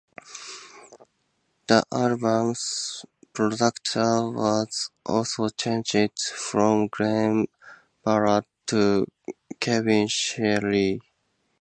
The album's producer was also changed from Glen Ballard to Kevin Shirley.